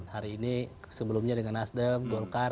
hari ini sebelumnya dengan nasdem golkar